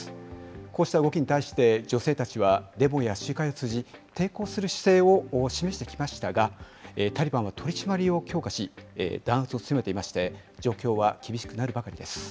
こうした動きに対して、女性たちはデモや集会を通じ、抵抗する姿勢を示してきましたが、タリバンは取締りを強化し、弾圧を強めていまして、状況は厳しくなるばかりです。